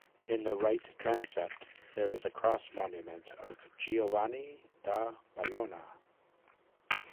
In the right transept, there is a cross monument of Giovanni da Bologna.